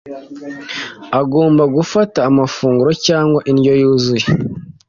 agomba gufata amafunguro cyangwa indyo yuzuye.